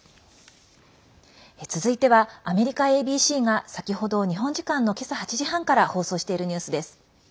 続いてはアメリカＡＢＣが先ほど日本時間の今朝８時半から放送しているニュースです。